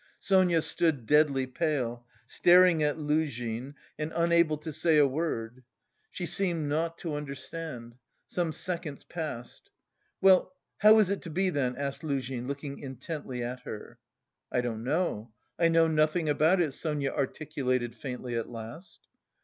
Sonia stood deadly pale, staring at Luzhin and unable to say a word. She seemed not to understand. Some seconds passed. "Well, how is it to be then?" asked Luzhin, looking intently at her. "I don't know.... I know nothing about it," Sonia articulated faintly at last.